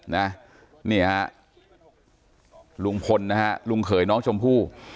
นี่ครับลุงพลนะครับลุงเขยน้องชมพู่